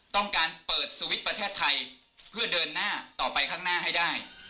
ต้องการเปิดสวิตช์ประเทศไทยเพื่อเดินหน้าต่อไปข้างหน้าให้ได้